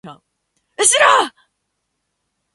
うしろ！